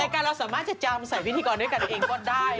การเราสามารถจะจำใส่วิธีกรด้วยกันเองก็ได้